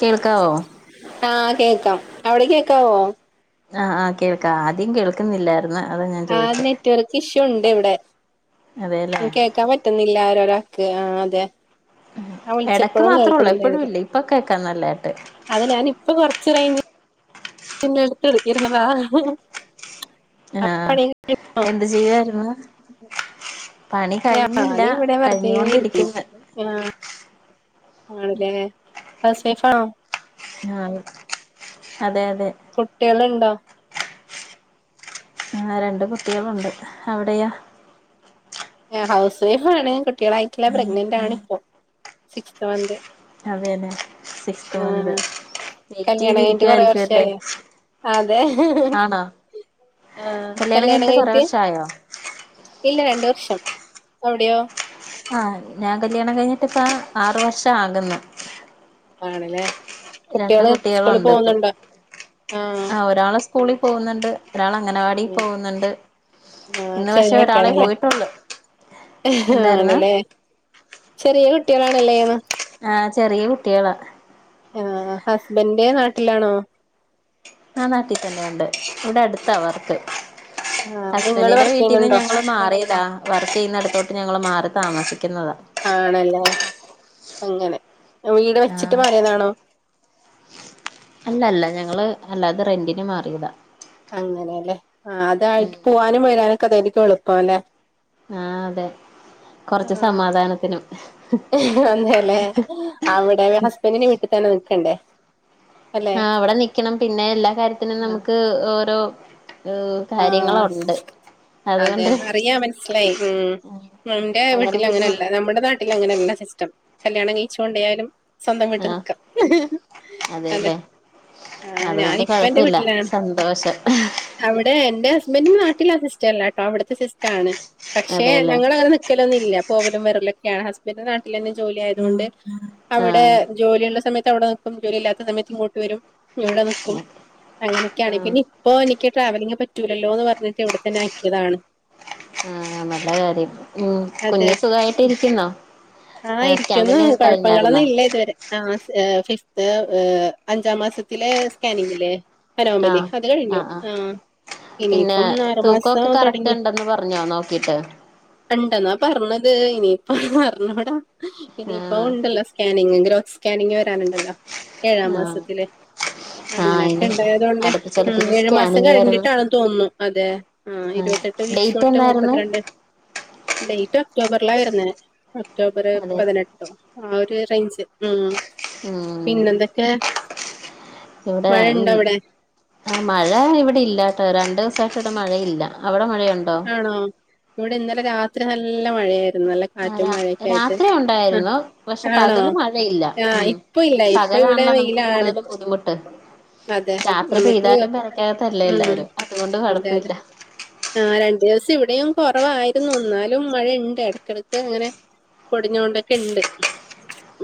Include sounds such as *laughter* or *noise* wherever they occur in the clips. കേൾക്കാവോ? ആഹ് കേക്കാം അവിടി കേക്കാവോ? ആഹ് ആഹ് കേൾക്കാ ആദ്യം കേൾക്കുന്നില്ലായിര്ന്ന്. ആഹ നെറ്റ് വർക്കിഷ്യൂ ഉണ്ട് വിടെ അതെല്ലേ കേക്കാ പറ്റ് ന്നില്ല ഒരാൾക്ക് ആഹ് അതെ. ഞാൻ എടക്ക് വിളിച്ചപ്പോഴും മാത്രൊള്ളൂ കേൾക്കുന്നുണ്ടായിരുന്നില്ല എപ്പഴുല്ല ഇപ്പൊ കേക്കാ നല്ലായിട്ട്. അത് ഞാനിപ്പൊ കൊറച്ച് റെയ്ഞ്ച് ഇണ്ണട്ത്ത് ഇര്ന്നെതാ ആഹ എന്ത് ചെയ്യുവായിരുന്നു? പണി കഴിഞ്ഞില്ല കഴിഞ്ഞുകൊണ്ടിരിക്ന്ന് ആഹാ ആണ്ല്ലേ ഹൗസ് വൈഫാണോ? ആഹ അതെ അതെ. കുട്ട്യാള്ണ്ടൊ? ആഹാ രണ്ട് കുട്ടികളുണ്ട് അവിടേയൊ? എഹ് ഹൗസ് വൈഫാണ് കുട്ടികളായിട്ടില്ല പ്രഗ്നന്റാണ് ഇപ്പൊ സിക്സ്ത് മൻത്. അതേലെ സിക്സ്ത്ത് മൻത്. കല്യാണം കഴിഞ്ഞിട്ട് കൊറെ വെയിറ്റെയ്തിരിക്കുവായിരിക്കുവെല്ലെ വർഷായോ അതെ ആണോ? കല്യാണം കഴിഞ്ഞിട്ട് കൊറെ വർഷായോ? ഇല്ല രണ്ട് വർഷം അവിടെയോ? ആഹ ഞാൻ കല്യാണം കഴിഞ്ഞിട്ട്പ്പ ആറ് വർഷാ ആക്ന്ന് ആണ്ലെ രണ്ട് കുട്ട്യാള് സ്കൂളി കുട്ടികളുണ്ട് പോണ് ഇപ്പൊ ണ്ടോ ആഹ ആ ഒരാള് സ്കൂളിൽ പോകുന്നുണ്ട്. ഒരാള് അംഗനവാടി ഉം പോകുന്നുണ്ട് ആഹ് ഇന്ന് ചെറിയ പക്ഷേ ഒരാളെ കുട്ടികളല്ലേ പോയിട്ടൊള്ളു. ആണല്ലേ ചെറിയ കുട്ടികളാണല്ലേ ആഹ് ചെറിയ കുട്ടിയളാ. ആ ഹസ്ബന്റ് നാട്ടിലാണോ? ആ നാട്ടിൽ തന്നെ ഉണ്ട് ഇവിടെ അടുത്താവർക്ക് ആഹ് നിങ്ങള് ഹസ്ബന്റിന്റെ വർക്ക് വീട്ടിന്ന് ചെയ്യുന്നുണ്ടോ ഞങ്ങള്. മാറിയതാ വർക്ക് ചെയ്യുന്ന അടുത്തോട്ട് ഞങ്ങള് മാറി താമസിക്കുന്നതാ. ആണല്ലേ അങ്ങനെ വീട് ആ വെച്ചിട്ട് മാറിയതാണോ? അല്ല അല്ല ഞങ്ങള് അല്ലാതെ റെന്റിന് മാറിയതാ. അങ്ങനെയല്ലേ ആ ഉം അതായിരിക്കും പോവാനും വരാനു ഒക്കെ അതായിരിക്കും എളുപ്പം അല്ലേ ആഹ് അതെ കൊറച്ച് ആഹ് സമാധാനത്തിനും അതെല്ലേ അവിടെ ഹസ്ബന്റിന്റെ വീട്ടിൽ തന്നെ നിൽക്കണ്ടേ ആഹ് അവിടെ നിക്കണം പിന്നെ എല്ലാ കാര്യത്തിനും ആഹ് നമുക്ക് ഓരോ ആഹ് കാര്യങ്ങളുണ്ട്. അതെ അതുകൊണ്ട് അറിയാ മനസ്സിലായി ഉം എന്റെ അങ്ങനെ ബുദ്ധിമുട്ട് വീട്ടിലങ്ങനെയല്ല നമ്മുടെ നാട്ടിൽ. അങ്ങനല്ലാ സിസ്റ്റം കല്യാണം കഴിച്ച് കൊണ്ടൊയാലും സ്വന്തം വീട്ടിൽ ആഹ് നിക്കാം അതെ ആ അതു കൊണ്ട് ഞാനിപ്പ എന്റെ കുഴപ്പല്ല വീട്ടിലാണ് സന്തോഷം. അവിടെ എന്റെ ഹസ്ബൻഡിന്റെ നാട്ടില് ആ സിസ്റ്റ അല്ലാട്ടോ അവിടുത്തെ സിസ്റ്റാണ് പക്ഷെ അതെല്ലേ ഞങ്ങളിവിടെ നിക്കലൊന്നുംല്ല പോവലും വരലും ഒക്കെയാണ് ഹസ്ബൻ്റ് നാട്ടിൽ തന്നെ ജോലി ആയതു കൊണ്ട് അവിടെ ആഹ് ജോലിയുള്ള സമയത്ത് അവിടെ നിക്കും ജോലി ഇല്ലാത്ത സമയത്ത് ഇങ്ങോട്ട് വരും. ഇവിടെ നിക്കും അങ്ങനെയൊക്കെയാണ് ആഹ് പിന്ന ഇപ്പോ എനിക്ക് ട്രാവലിംഗ പറ്റൂലല്ലോ ന്ന് പറഞ്ഞിട്ട് ഇവിടെ തന്നെ ആക്കിയതാണ്. ആ നല്ല കാര്യം ഉഈ കുഞ്ഞു സുഖായിട്ട് ഇരിക്കുന്നോ? ആ ഇരിക്കുന്നു സ്കാനിങ് ഒക്കെ കുഴപ്പങ്ങളൊന്നും കഴിഞ്ഞായിരുന്നോ ഇല്ല. ശരി ആ ഫിഫ്ത് അഞ്ചാം മാസത്തിലെ സ്കാനിങ്ങിലേ അനോമലി അത് കഴിഞ്ഞു ആഹ് പിന്നെ ഇനിയിപ്പം ആറു മാസം തൂക്കൊക്കെ കറക്റ്റ് തുടങ്ങി ഉണ്ടന്ന് പറഞ്ഞോ നോക്കീട്ട്. ഉണ്ടെന്നാ പറഞ്ഞത് ഇനിയിപ്പ അറാഞ്ഞുടാ ഇനിയിപ്പ ആഹ് ഉണ്ടല്ലോ സ്കാനിങ് ഗ്രോക്ക് സ്കാനിങ് വരാനുണ്ടല്ലോ ഏഴാം ആഹ് മാസത്തില് ആഹ് അങ്ങനെയൊക്കെ ഇനി ഇണ്ടായതു കൊണ്ട് ഉം അടുപ്പിച്ചടുപ്പിച്ച് ഏഴുമാസം സ്കാനിങ് വരും കഴിഞ്ഞിട്ടാണ് തോന്നുന്നു അതെ ആ ഇരുപത്തെട്ട് വീക്സ് തൊട്ട് മുപ്പത്തിരണ്ട് ഉ ഡേറ്റ് ഒക്ടോബറിലാ വരുന്നെ ഒക്ടോബർ അതെ പതിനെട്ട് ആ ഒരു റേഞ്ച് ഉം ഉം പിന്നെന്തൊക്കെ ഇവിടെ മഴ ഉം ഉണ്ടോ അവിടെ ആ മഴ ഇവിടെ ഇല്ലാട്ടോ രണ്ടേസായിട്ട് ഇവിടെ മഴയില്ല അവിടെ മഴയുണ്ടോ ആണോ ഇവിടെ ഇന്നലെ രാത്രി നല്ല മഴയാരുന്നു ഇന്നലെ ആ കാറ്റും രാ മഴയൊക്കെ ആയിട്ട് രാത്രി ആ ഉണ്ടായിരുന്നു പക്ഷെ ആണോ പകല് മഴയില്ല ആഹ് ഉം ഇപ്പൊ ഇല്ല ഇപ്പൊ ഇവിടെ പകലാണല്ലോ നമുക്ക് വെയിലാണ് കൂടുതലും ബുദ്ധിമുട്ട് അതെ രാത്രി നമുക്ക് പെയ്താലും പെരക്കകത്തല്ലേ ഉം എല്ലാവരും അതുകൊണ്ട് അതെ അതെ കുഴപ്പമില്ല ആ രണ്ടു ദിവസം ഇവിടെയും കുറവായിരുന്നു എന്നാലും മഴയുണ്ട് ഇടക്കിടക്ക് ഇങ്ങനെ പൊടിഞ്ഞോണ്ടൊക്കെ ഇണ്ട്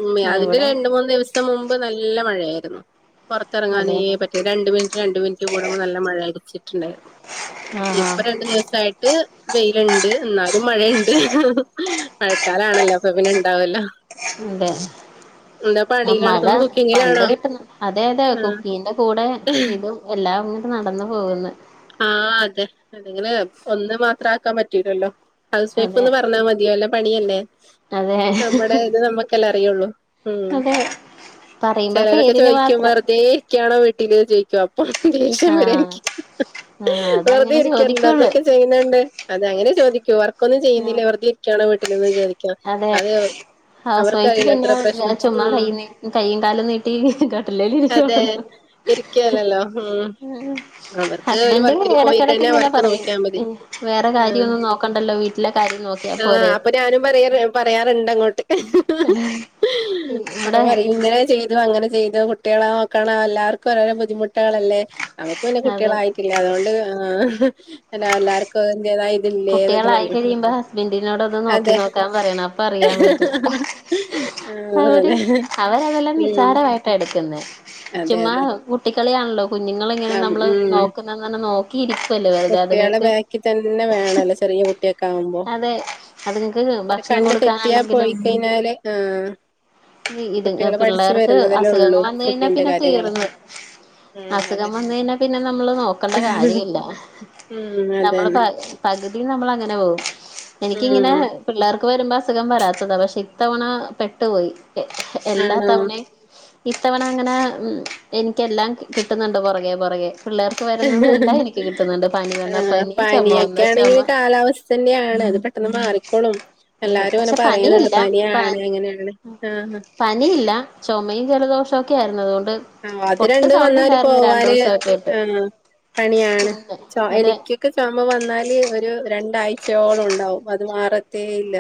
ഉം ആ അതിന്റെ ഇവിടെ രണ്ട് മൂന്ന് ദിവസം മുമ്പ് നല്ല മഴയാരുന്നു പുറത്തിറങ്ങാനേ അതെതെ പറ്റ രണ്ട് മിനിറ്റ് രണ്ടു മിനിറ്റ് കൂടുമ്പോ നല്ല മഴ അടിച്ചിട്ടുണ്ടായിരുന്നു ആ ഇപ്പൊ രണ്ടു ദിവസായിട്ട് വെയിലുണ്ട് എന്നാലും മഴയുണ്ട് മഴക്കാലാണല്ലോ അപ്പൊ പിന്നെ ഇണ്ടാവല്ലോ അതെ ഉം എന്താ ആ പണിയിലാണോ മഴ തോന്നുന്നു പണ്ട് കുക്കിങ്ങിലാണോ കിട്ടുന്ന അതെ അതെ ആഹ് കുപ്പീന്റെ കൂടെ ഇതും എല്ലാം അങ്ങോട്ട് നടന്നു പോകുന്നു ആഹ് അതെ അതെങ്കില് സ്വന്തം മാത്രാ ക്കാൻ പറ്റൂലല്ലോ ഹൗസ് അതെ വൈഫ്ന്ന് പറഞ്ഞാൽ മതിയോ നല്ല പണിയല്ലേ അതെ നമ്മുടെ ഇത് നമ്മുക്കെല്ല അറിയുള്ളൂ ഉം അതെ പറയുമ്പോ ചെലോലക്കെ പേരിന് ചോദിക്കും മാത്രം വെറുതെ ഇരിക്കാണോ വീട്ടില് അപ്പൊ ദേഷ്യം വരും ആഹ് എനിക്ക് ആഹ് അതങ്ങനെ വെറുതെരിക്ക ചോദിക്കുള്ളൂ ചെയ്യണ്ട് അത് അങ്ങനെ ചോദിക്കോർ വർക്കൊന്നും ആഹ് ചെയ്യുന്നില്ലേ വെറുതെയിരിക്കാണോ വീട്ടിലെന്ന് ചോദിക്കും അതെ അത് ഹൗസ് വൈഫ് അവർക്കറിയില്ല പിന്നെ അത്ര പ്രശ്നം ചുമ്മ ഉം കൈയ്യും കാലും നീട്ടി കട്ടിലേൽ അതെ ഇരിക്കാണല്ലോ ഇരിക്കല്ലല്ലോ ഉം അവർക്ക് ഒരു ഹസ്ബൻഡ് വർക്കിന് ഇടക്കിടക്ക് പോയിക്കഴിഞ്ഞാൽ ഇങ്ങനെ അവർക്ക് പറയും ഉം വേറെ കാര്യയൊന്നും നോക്കണ്ടല്ലോ വീട്ടിലെ കാര്യം നോക്കിയാ ആഹ് പോരെ അപ്പൊ ഞാനും പറയാ പറയാറുണ്ട് അങ്ങോട്ട് അപ്പൊ ഇവിടെ പറയും ഇങ്ങനെ ചെയ ഇതും അങ്ങനെ ചെയ്തു കുട്ടികളെ നോക്കണം എല്ലാവർക്കും രോരോ ബുദ്ധിമുട്ടുകളല്ലേ നമുക്ക് പിന്നെ അതെ കുട്ടികളായി അതുകൊണ്ട് ആഹ് എല്ലാവർക്കും അതാ കുട്ടികളായി കഴിയുമ്പോ ഹസ്ബന്റിന്നോട് ഒന്ന് നോക്കി അതെ നോക്കാൻ പറയണം അപ്പൊ അറിയാൻ പറ്റും ആഹ് അവര് അതെ അവരതെല്ലാം ഉം നിസാരമായി എടുക്കുന്ന അതെ ചുമ്മാ അതെ കുട്ടികളിയാണല്ലോ കുഞ്ഞുങ്ങള ഇങ്ങനെ നമ്മള് ഉം നോക്കുന്നന്ന് തന്നെ നോ ഇരിക്കല്ല കുട്ടികളെ ബാക്കിൽ തന്നെ വേണല്ലോ ചെറിയ കുട്ടിയക്കെ ക്കാവുമ്പോ അതെ അതുങ്ങക്ക് അവര് ഭക്ഷണം കണ്ണ് തെറ്റിയാ പോയി കൊടുക്കാനാണെങ്കിലും കഴിഞ്ഞാല് ആഹ ഇത് കുട്ടികള് പഠിച്ചു പിള്ളേർക്ക് വരുന്നതല്ലേ ഉള്ളൂ അസുഖങ്ങൾ വന്ന് കഴിഞ്ഞാ ഫുഡിന്റെ പിന്നെ കാര്യങ്ങള് തീർന്ന് ഉം അസുഖം അതെ വന്നു കഴിഞ്ഞാ പിന്നെ നമ്മള് നോക്കേണ്ട കാര്യേല്ല ഉം നമ്മള് പ അതന്നെ പകുതി നമ്മൾ അങ്ങനെ പോവും എനിക്കിങ്ങനെ ഉം പിള്ളേർക്ക് വരുമ്പോ അസുഖം വരാത്തതാ പക്ഷെ ഇത്തവണ പെട്ടുപോയി എല്ലാ ആണോ തവണയും ഇത്തവണ അങ്ങനെ എനിക്കെല്ലാം കിട്ടുന്നുണ്ട് പുറകെ പുറകെ പിള്ളേർക്ക് വരുന്നതെല്ലാം എനിക്ക് കിട്ടുന്നുണ്ട് പനി വന്ന പനി ചുമ വന്ന ചുമ തന്നെയാണ് അത് പെട്ടെന്ന് മാറിക്കോളും എല്ലാരും ഓനെ പക്ഷെ പറയന്ണ്ട് പനിയില്ല പ പനിയാണ് അങ്ങനെണ്ന്ന് ആഹ് പനിയില്ല ചുമയും ജലദോഷവും ഒക്കെ ആയിരുന്നു അതോണ്ട് ആഹ് അത് രണ്ടും വന്നാല് പോവാന് ആയിട്ട് ആഹ് പണിയാണ് ചൊ അതെ എനിക്ക് ക്ക് ചൊമ വന്നാല് ഒരു രണ്ടാഴ്ചയോളം ഉണ്ടാവും അത് മാറത്തേ ഇല്ല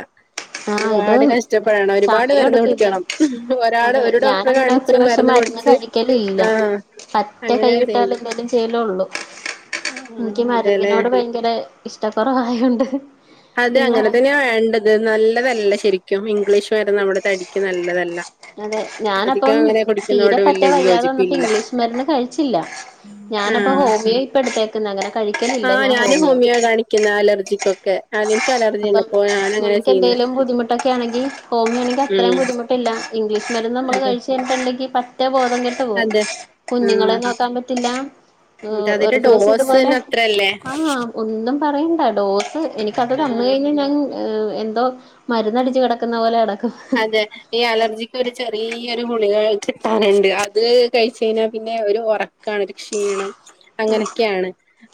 ആഹ് ഇത് ഒരുപാട് കഷ്ടപ്പെടണം ഒരുപാട് സമയം മരുന്ന് എടുക്കും ഇത് കുടിക്കണം ഒരാള് അതെ ഒരു ഡോക്ടറെ ഞാനങ്ങനെ കാണിച്ച് ഒത്തിരി പക്ഷെ മരുന്ന് കുടി കഴിക്കലില്ല പറ്റേ അങ്ങനെയാ കൈവിട്ടാല് ചെയ്യുന്നത് എന്തേലും ചെയ്യലുള്ളൂ ൻക്കി ആഹ് അതെല്ലേ മരുന്നിനോട് ഭയങ്കര ഇഷ്ടക്കുറവായോണ്ട് അത് പിന്നെ അങ്ങനെ തന്നെ വേണ്ടത് നല്ലതല്ല ശരിക്കും ഇംഗ്ലീഷ് മരുന്ന് നമ്മുടെ തടിക്ക് നല്ലതല്ല അതെ ഞാന് അധികം അപ്പയും അങ്ങനെ തീരെ കുടിക്കുന്നതോട് പറ്റെ വലിയ ഇത് വയ്യാതെ വന്നപ്പൊ യോജിപ്പില്ല ഇംഗ്ലീഷ് മരുന്ന് കഴിച്ചില്ല ഞാനപ്പം ആഹ് ഹോമിയോ ഇപ്പ എടുത്തേക്കുന്നെ അങ്ങനെ കഴിക്കലില്ല ഞാൻ ഹോമിയോ ക്കുന്ന അലർജിക്കൊക്കെ ആഹ് ഇൻക്കിലർ യി എങ്ങപോയ നമക്ക് എന്തേലും ബുദ്ധിമുട്ടൊക്കെ ആണെങ്കി ഹോമിയോ ആണെങ്കി അത്രയും ഉം ബുദ്ധിമുട്ടില്ല ഇംഗ്ലീഷ് മരുന്ന് നമ്മള് അതെ കഴിച്ചു കഴി ല്ലെങ്കി പറ്റേ ബോധം കെട് പോവും അതെ കുഞ്ഞുങ്ങളെ ആഹ് നോക്കാൻ പറ്റില്ല എന്നിട്ട് ഒരു അതിന്റെ ദിവസം ഡോസ് ഇതുപോലെ തന്നെ അത്രല്ലേ ആഹ് ഒന്നും പറയണ്ട ഡോസ് എനിക്ക് അ വന്ന് ആഹ് കഴിഞ്ഞാ ഞാൻ എന്തോ മരുന്നടിച്ചു കിടക്കുന്ന പോലെ കെടക്കും അതെ ഈ അലർജിക്ക് ഒരു ചെറിയൊരു ഗുളിക കിട്ടാനുണ്ട് അത് കഴിച്ച കഴിഞ്ഞാ പിന്നെ ഒരു ഒറക് ക്കാണ് ഒരു ക്ഷീണം അങ്ങനെക്കെണ്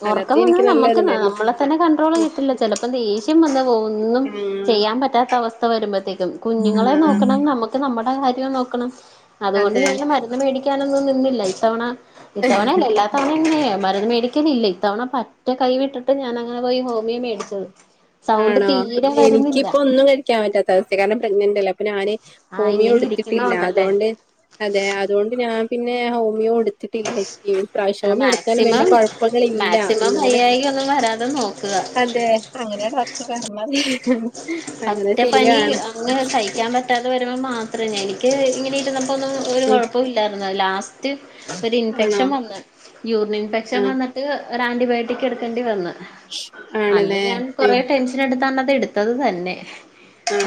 ഒറക്കം വന്ന നമ്മക്ക് നമ്മളെ തന്നെ കണ്ട്രോൾ ഉം കിട്ടില്ല ചെലപ്പം ദേഷ്യം വന്ന് പോകും ഒന്നും ചെയ്യാൻ പറ്റാത്ത അവസ് വരുമ്പോഴത്തേക്കും ഉം കുഞ്ഞുങ്ങളെ ആഹ് നോക്കണം നമക്ക് നമ്മടെ കാര്യം നോക്കണം അതുകൊണ്ട് അതെ വേഗം മര് മേടിക്കാനൊന്നും നിന്നില്ല ഇത്തവണ ഇത്തവണയല്ല എല്ലാതവണയും പിന്നെ മരുന്ന് മേടിക്കലില്ല ഇത്തവണ പറ്റേ കൈ വിട്ടിട്ട് ഞാൻ അങ്ങനെ പോയി ഹോമിയോ മേടിച്ചത് സൗണ്ട് ആണോ തീരെ വരുന്നില്ല എനിക്കിപ്പം ഒന്ന് ഴിക്കാൻ പറ്റാത്ത അവസ്ഥ കാരണം പ്രഗ്നന്റ് അല്ലെ അപ്പ ഞാന് ആ ഹോമിയോ ഇങ്ങനെ എടുത്തിട്ടില്ല ഇരിക്കുന്നോണ്ടല്ലേ അതുകൊണ്ട് അതെ അതോണ്ട് ഞാൻ പിന്നെ ഹോമിയോ എട് കിട്ടില്ല ഈ പ്രാവശ്യം ആ ഹോമിയോ എടുത്താലും വല്യ മാക്സിമം കുഴപ്പങ്ങളില്ല മാക്സിമം എന്നാലും വയ്യായിക ഒന്നും *unintelligible* അങ്ങനെയ ഡോക്ടർ പറഞ്ഞത് ഹ് ഹ പറ്റെ പനി അങ്ങനെ സഹി ക്കാൻ പറ്റാതെ വരുമ്പോ മാത്ര എനിക്ക് ഇങ്ങനെ ഇരുന്നപ്പോ ഒന്നും ഒരു ഉം കുഴപ്പും ഇല്ലായിരുന്നു ലാസ്റ്റ് ഒരു ആണോ ഇൻഫെക്ഷൻ വന്ന് യൂറിൻ ഇൻഫെക്ഷൻ ആഹ് വന്ന് ൻക്ക് ഒരു ആന്റിബയോട്ടിക് എടുക്കണ്ടി വന്ന് അന്ന് ആണല്ലേ ഞാൻ യ്യോ കൊറെ ടെൻഷ് നായിട്ട് തന്നത് എടുത്തത് തന്നെ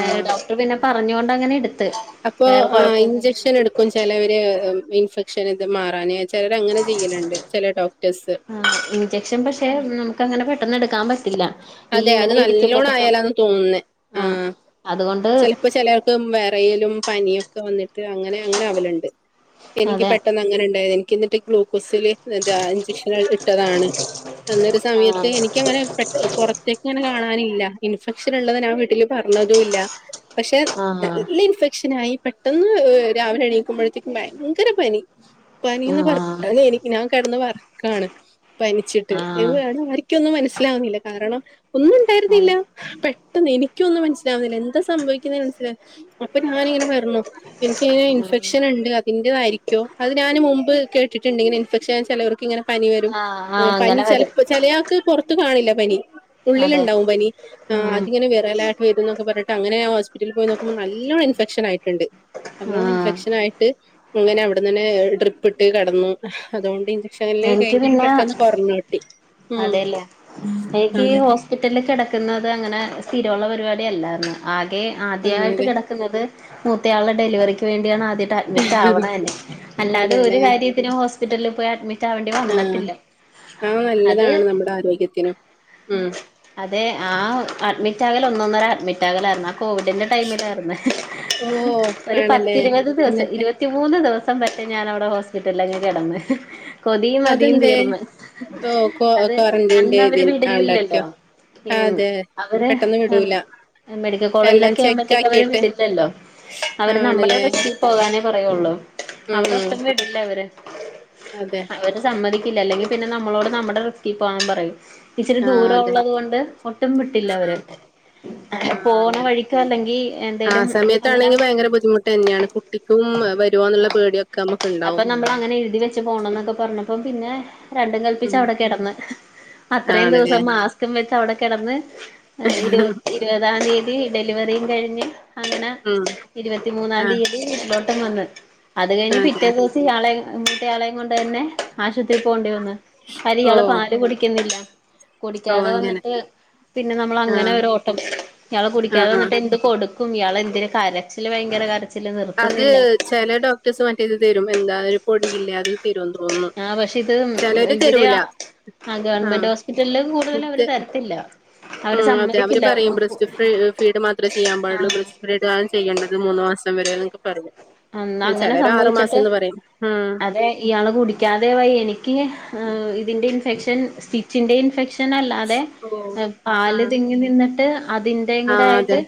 ഏ ഡോക്ടർ പിന്നെ പറഞ്ഞൊണ്ട് അങ്ങനെ എട്ത്ത് അപ്പൊ ആ ഇഞ്ചക്ഷൻ എടുക്കും ചെലവര് ഇൻഫെക്ഷൻ ഇത് മാറാന് ചെലര് അങ്ങനെ ചെയ്യലുണ്ട് ചെല ഡോക്ടേഴസ് ആ ഇഞ്ചക്ഷൻ പക്ഷെ നമുക്ക് അങ്ങനെ പെട്ടന്ന് എടുക്കാൻ പറ്റില്ല ഈ അതെ അത് ഇങ്ങനെ നല്ലോണം ഇരിക്കുമ്പത്തേക്കും ആയാലാന്ന് തോന്നുന്നേ ആഹ് ചെലപ്പോ ചെലെ ആൾക്ക് വെറയ ലും പനിയൊക്കെ വന്നിട്ട് അങ്ങനെ അങ്ങനെ ആവലുണ്ട് എനിക്ക് അതെ പെട്ടെന്ന് അങ്ങനെ ഇണ്ടായി എനിക് ന്നിട്ട് ഗ്ലൂക്കോസില് താ ഇഞ്ചക്ഷൻ ഇട്ടതാണ് അന്നൊരു സമയത്ത് ആ എനിക്കങ്ങനെ പെ പൊറത് ങ്ങനെ കാണാനില്ല ഇൻഫെക്ഷൻ ഉള്ളത് ഞാൻ വീട്ടില് പറഞ്ഞതും ഇല്ല പക്ഷെ ആ നല്ല ഇൻഫെക്ഷൻ ആയി പെട്ടെന്ന് രാവിലെ എണീക്കുമ്പഴത്തേക്കും ഭയങ്കര പനി പനിന്ന് ആ പർഞ്ഞാല് എനിക് ഞാൻ കെടന്ന് വെർക്കാണ് പനിച്ചിട്ട് ആഹ് എവ് ആരിക്കും ഒന്നും മനസ്സിലാവുന്നില്ല കാരണം ഒന്നും നില്ല അതെ പെട്ടെന്ന് എനിക്കൊന്നും മനസ്സിലാവുന്നില്ല എന്താ സംഭവിക്കുന്നത് മനസില അപ്പൊ ഞാനിങ്ങനെ ഞ്ഞു ഇൻക്കയ്ന് ഇൻഫെക്ഷൻ ഇണ്ട് അതിന്റതായിരി ക്കും അത് ഞാന് മുൻപ് കേട്ടിട്ടുണ്ട് ഇങ്ങനെ ഇൻഫെക്ഷൻ ചെലോർ ക്ക് ഇങ്ങനെ പനി വരും ആഹ് ആഹ് പനി അങ്ങനെ ചെല വരും ചെലയാൾക്ക് പുറത്ത് കാണില്ല പനി ഉള്ളിൽ അതെ ഇണ്ടാവും പനി ഉം അതിങ്ങനെ വെറലായിട്ട് വരുന്നൊക്കെ പറഞ്ഞ് ട്ട് അങ്ങനെ ഞാൻ ഹോസ്പിറ്റലിൽ പോയി നോക്കുമ്പോ നല്ലോണം ഇൻഫെക്ഷൻ ആയിട്ടുണ്ട് നല്ലോണ്ണം ആഹ് ഇൻഫെക്ഷൻ ആയിട്ട് ഇങ്ങനെ അവിട്ന്നെ ട്രിപ്പ് ഇട്ട് കേടന്നു അതുകൊണ്ട് ഇൻജ *unintelligible* എനിക്ക് കേറ്റിട്ട് പിന്നെ പെട്ടന്ന് കൊറഞ്ഞ് കിട്ടി ഉം അതെല്ലേ എനിക്കി അതെ ഹോ ഹോസ്പിറ്റലിൽ കെടക്കുന്നത് അങ്ങനെ സ്ഥിരമുള്ള പരിപാടിയല്ലായാർന്നു ആകെ ആദ്യായിട്ട് ആണല്ലേ കെടക്കുന്നത് മൂത്തയാൾടെ ഡെലിവറിക്ക് വേണ്ടിയാണ് ആദ്യാട്ട് അഡ്മിറ്റ് ആവണ തന്നെ അല്ലാതെ ഒരു അതെല്ലേ കാര്യ ത്തിനും ഹോസ്പിറ്റലിൽ പോയി അഡ്മിറ്റ് ആവേണ്ടി വന്നട്ടില്ല ആ നല്ലതാണ് നമ്മടെ ആരോഗ്യത്തിനും ഉം അതെ ആ അഡ്മിറ്റ് ആകല് ഒന്നൊന്നര അഡ്മിറ്റ് ആകലായിരുന്നു ആ കോവിഡിൻ്റെ ടൈമിലാർന്നു ഓ ഒരു ആണല്ലേ പത്തിരുപത് ദിവസം എന്നിട്ട് ഇരു ത്തിമൂന്ന് ദിവസം പക്ഷേ ഞാനവടെ ഹോസ്പിറ്റലങ്ങ് കെടന്നു അതെന്തേ ഓ ക്വാ അത് അന്ന് ക്വാറന്റീന്റെ ഇത് അവര് വിടിലില്ലല്ലോ ആണ്ടായിരിക്കോ ഉം അതെ അവര് പെട്ടെന്ന് ഉം വിടൂല മെഡിക്കൽ എല്ലാം കോളേജിലൊക്കെ ചെക്ക് ആവുമ്പോഴത്തേക്ക് അവര് ആക്കിയിട്ട് വിടില്ലല്ലോ അവര് നമ്മടെ ആണല്ലേ പോകാനേ പറയുള്ളൂ ഉം അവടെ ഉം ഒട്ടും വിടില്ല അവര് അതെ അവര് സമ്മതിക്കില്ല അല്ലെങ്കിൽ പിന്നെ നമ്മളോട് നമ്മടെ റിസ്കി പോവാൻ പറയും ഇച്ചിരി ആ ദൂരം അതെ ഒള്ളത് കൊണ്ട് ഒട്ടും ആ വിട്ടില്ല ആ അവര് ആ പോണ അങ്ങനെ വഴിക്കോ അല്ലെങ്കി ആ എന്തേലും അങ്ങനെ സമയത്താണെങ്ങി ഭയങ്കര ബുദ്ധിമുട്ട് തന്നെയാണ് കുട്ടി തും വരോന്നുള്ള പേടിയൊക്കെ നമ്മക്ക് ഇണ്ടാവും ഇച്ച് പോണന്നോക്കെ പറഞ്ഞപ്പോ പിന്നെ, രണ്ടും കൽപ്പിച്ച് ഉം അവടെ കെടന്ന് അത്രേം ആണല്ലേ ദിവസം മ മാസ്കും വെച്ചും അവ്ടെ കെടന്ന് ഇര് ഇരുപതാം തീയതി ഡെലിവെറിയും കഴിഞ്ഞ് അങ്ങനെ ഉം ഇരുപത്തി മൂന്നാം ആ തീയതി വീട്ടിലോട്ടും വന്നു. അത് കഴിഞ്ഞ് അതെ പിറ്റേ ദിവസെം കുട്ട്യാളേം മറ്റേ ആളെം കൊണ്ട് തന്നെ ആശുപത്രിക്ക് പോകേണ്ടി വന്ന് ഓഹ് കുട്ടി കുടിക്കിന്നില്ല കുടിക്കാതെ വന്നിട്ട് പിന്നെ നമ്മള് ആ അങ്ങനെ ഒരു ഓട്ടം. ഇയാള് ആ ആ കുടിക്കാതെന്നിട്ട് എന്ത് കൊടുക്കും ഇയാള് എന്തൊര് കരച്ചില് ഭയങ്കര കര അത് ചെലെ ഡോക്ട്ടേഴ്സ് മറ്റേ ഇത് തരും എന്താ ഒരു പൊടിയില്ലേ അത്! തരുന്ന് തോൻറ്രുന്നു ആ പക്ഷെ ഇത് ചെലര് ഇവര് തരൂല ആ ആഹ് ഗവൺമെന്റ് ഹോസ്പിറ്റല് കൂടുതല് ഇത് അവര് തരത്തില്ല അവര് ഉം അതെ അവര് സമ്മതിക്കില്ല പറയും ബ്രസ്റ്റ് ഫീ ഫീഡ് മാത്രേ ചെയ്യാൻ ആ പാടുള്ളൂ ബ്രസ്റ്റ് ഫ്രീഡാണ് ചെയ്യേണ്ടത്. മൂന്ന് മാസം വരെ എന്നൊ ഒക്കെ പറയാ. അന്നാ അങ്ങനെ സംഭവിച്ചിട്ട് ഉം അതെ ഇയാള് കുടി ക്കാതെ വയ്യാ എനിക്ക് ഇതിന്റെ ഇൻഫെക്ഷൻ സ്റ്റിച്ചിന്റെ ഇൻഫെക്ഷൻ അല്ലാതെ ഓഹ് ഏഹ് പാല് ആഹ് തിങ്ങി നിന്നിട്ട് അതിന്റേം കൂടെ ആഹ് ആയിട്ട് അതെ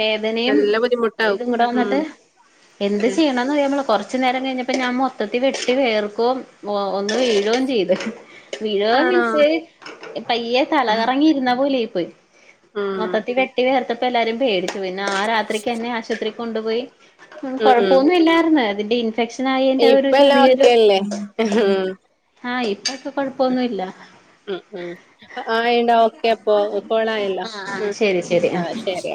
വേദനേം നല്ല ബുദ്ധിമുട്ടാവും ഇതും കൂടെ ഉം വന്നിട്ട് എന്ത് അതെ ചെയ്യണം കൊറച്ചു നേരം കഴിഞ്ഞപ്പോ ഞാൻ മൊത്തത്തിൽ വെട്ടി വേർക്കോം ഒന്ന് വീഴോം ചെയ്ത് വിഴോം ആണോ മീൻസ് പയ്യേ തലകറങ്ങി ഇരുന്ന പോലെയായി പോയി ഉം മൊത്തത്തിൽ വെട്ടി വേർത്തപ്പോ എല്ലാരും പേടിച്ചു പോയി പിന്നെ ആ രാത്രിക്ക് എന്നെ ആശുപത്രിക്ക് കൊണ്ടുപോയി ഉം ഉം കൊഴപ്പൊന്നും ഇല്ലായാർന്നു അതിന്റെ ഇൻഫെക്ഷൻ ആയേന്റെ ഒരു ഇപ്പ എല്ലാം ചെറിയൊരു ഓക്കെയല്ലേ ഉം ആഹ് ഇപ്പൊക്കേ കൊഴപ്പൊന്നുല്യാ ഉം ഉം ആഹ് ഇന്നാ ഓക്കെ അപ്പോ കോളായല്ലോ ആഹ് ആഹ് ഉം ശരി ശരി ആ ആഹ് ശരി